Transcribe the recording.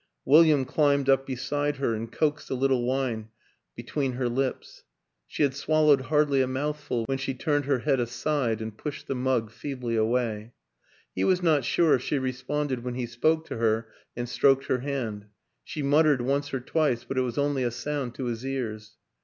William climbed up beside her and coaxed a little wine between her 164 WILLIAM AN ENGLISHMAN lips; she had swallowed hardly a mouthful when she turned her head aside and pushed the mug feebly away. He was not sure if she responded when he spoke to her and stroked her hand ; she muttered once or twice but it was only a sound to his ears.